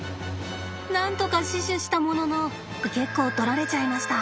何とか死守したものの結構とられちゃいました。